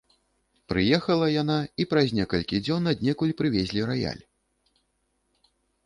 Прыехала яна, і праз некалькі дзён аднекуль прывезлі раяль.